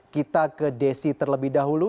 kita ke desi terlebih dahulu